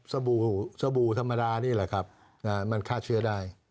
สบู่ธรรมดานี่แหละครับมันฆ่าเชื้อได้